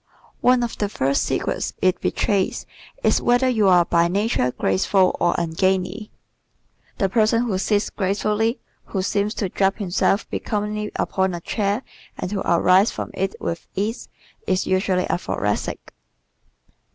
One of the first secrets it betrays is whether you are by nature graceful or ungainly. The person who sits gracefully, who seems to drape himself becomingly upon a chair and to arise from it with ease is usually a Thoracic.